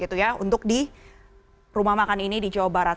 untuk di rumah makan ini di jawa barat